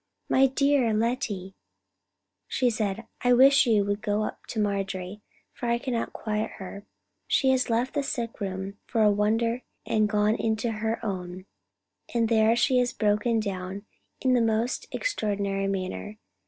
"My dear Lettie," she said, "I wish you would go up to Marjorie, for I cannot quiet her. She has left the sick room for a wonder, and gone into her own, and there she has broken down in the most extraordinary manner.